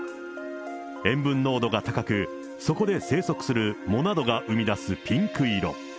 塩分濃度が高く、そこで生息する藻などが生み出すピンク色。